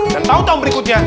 dan tahun tahun berikutnya